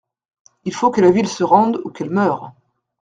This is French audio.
Il faut que la ville se rende ou qu'elle meure.